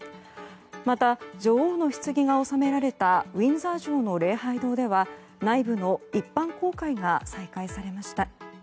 また、女王のひつぎが納められたウィンザー城の礼拝堂では内部の一般公開が再開されました。